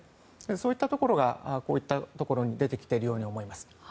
そういったところがこういったところに出てきているように思います。